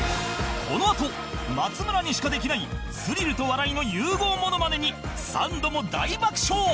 このあと松村にしかできないスリルと笑いの融合モノマネにサンドも大爆笑！